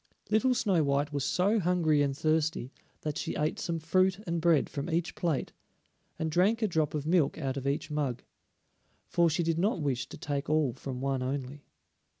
Little Snow white was so hungry and thirsty that she ate some fruit and bread from each plate, and drank a drop of milk out of each mug, for she did not wish to take all from one only.